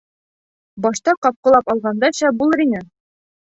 Башта ҡапҡылап алғанда шәп булыр ине.